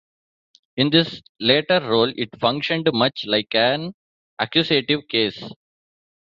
In this latter role, it functioned much like an accusative case.